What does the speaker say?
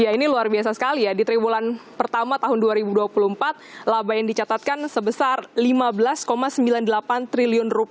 ini luar biasa sekali ya di triwulan pertama tahun dua ribu dua puluh empat laba yang dicatatkan sebesar rp lima belas sembilan puluh delapan triliun